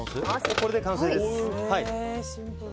これで完成です。